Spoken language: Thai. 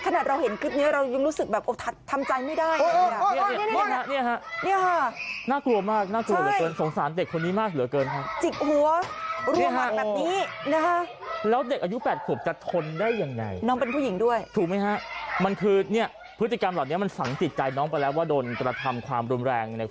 ขนาดเราเห็นคลิปนี้เรายังรู้สึกแบบทำใจไม่ได้